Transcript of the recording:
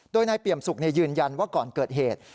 โดยนายเปี่ยมสุขยืนยันว่าก่อนเกิดเหตุ